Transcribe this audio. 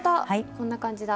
こんな感じだ！